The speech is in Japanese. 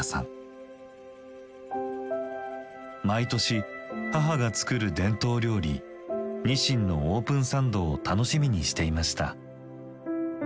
毎年母が作る伝統料理ニシンのオープンサンドを楽しみにしていました。